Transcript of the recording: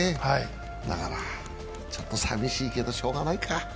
だからちょっと寂しいけどしょうがないか。